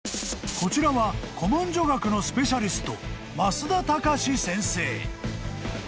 ［こちらは古文書学のスペシャリスト］